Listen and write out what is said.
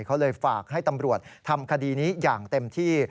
เขาเลยฝากให้ตำรวจทำคดีนี้อย่างเต็มที่